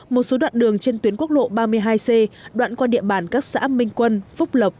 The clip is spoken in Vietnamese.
một số đoạn đường trên tuyến quốc lộ ba mươi hai c đoạn qua địa bàn các xã minh quân phúc lộc